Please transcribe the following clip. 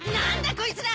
こいつら！